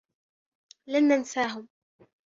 لن ننساهم.